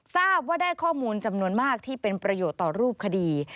ทราบว่าได้ข้อมูลจำนวนมากที่เป็นประโยชน์ต่อรูปคดี